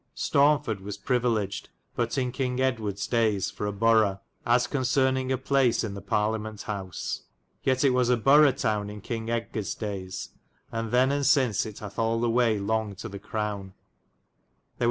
shire. Staunford was privilegyd but in Kynge Edward's day es for a borow, as concerninge a place in the Parliament Howse. Yet it was a borow towne in Kynge Edgares dayes, and then and syns it hathe all way l(fngyd to the Crowne. There were 7.